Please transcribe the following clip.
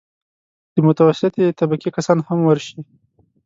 د متوسطې طبقې کسان هم ورشي.